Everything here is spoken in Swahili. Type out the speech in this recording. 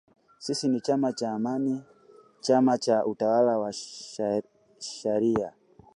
Sisi ni chama cha Amani chama cha utawala wa sharia